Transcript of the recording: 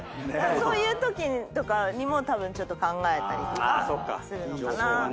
そういうときとかにもたぶんちょっと考えたりするのかな。